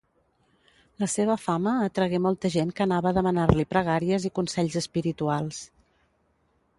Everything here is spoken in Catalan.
La seva fama atragué molta gent que anava a demanar-li pregàries i consells espirituals.